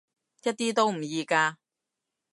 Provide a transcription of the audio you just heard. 一啲都唔易㗎